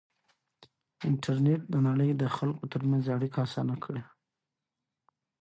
انټرنېټ د نړۍ د خلکو ترمنځ اړیکه اسانه کړې.